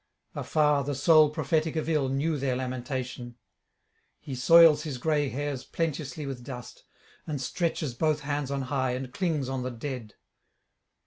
Afar the soul prophetic of ill knew their lamentation: he soils his gray hairs plenteously with dust, and stretches both hands on high, and clings on the dead.